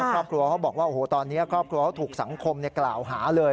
ครอบครัวเขาบอกว่าโอ้โหตอนนี้ครอบครัวเขาถูกสังคมกล่าวหาเลย